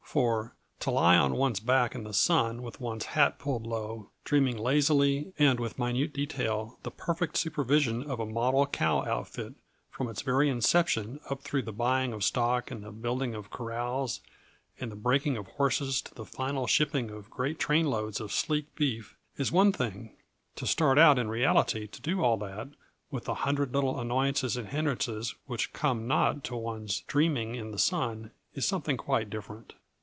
For to lie on one's back in the sun with one's hat pulled low, dreaming lazily and with minute detail the perfect supervision of a model cow outfit from its very inception up through the buying of stock and the building of corrals and the breaking of horses to the final shipping of great trainloads of sleek beef, is one thing; to start out in reality to do all that, with the hundred little annoyances and hindrances which come not to one's dreaming in the sun, is something quite different.